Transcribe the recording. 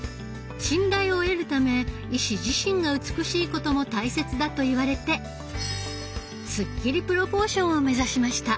信頼を得るため医師自身が美しいことも大切だ」と言われてすっきりプロポーションを目指しました。